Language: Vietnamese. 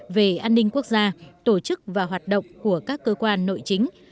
về an ninh quốc gia tổ chức và hoạt động của các cơ quan nội chính